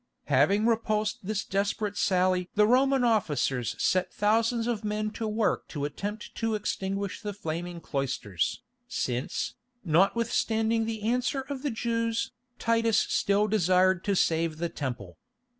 Having repulsed this desperate sally the Roman officers set thousands of men to work to attempt to extinguish the flaming cloisters, since, notwithstanding the answer of the Jews, Titus still desired to save the Temple.